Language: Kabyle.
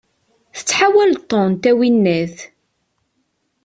Tettḥawaleḍ-tent, a winnat!